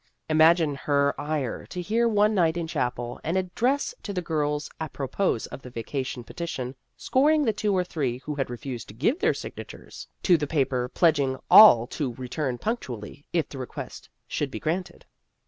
Imagine her ire to hear one night in chapel an ad dress to the girls, apropos of the vacation petition, scoring the two or three who had refused to give their signatures to the paper pledging all to return punctually, if the request should be granted.